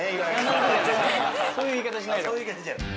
あっそういう言い方じゃない。